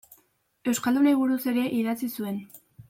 Euskaldunei buruz ere idatzi zuen.